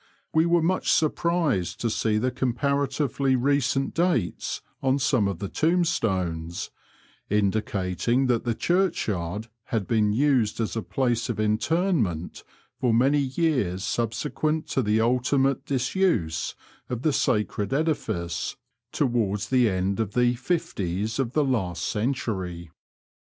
We were much surprised to see the comparatively recent dates on some of the tombstones, indicating that the churchyard had been used as a place of interment for many years subsequent to the ultimate disuse of the sacred edifice towards the end of the fifties " of the last century.